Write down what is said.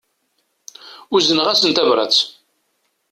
Uzneɣ-asen tabrat.